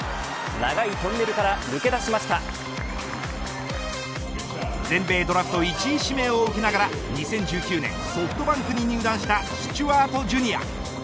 長いトンネルから全米ドラフト１位指名を受けながら２０１９年ソフトバンクに入団したスチュワート・ジュニア。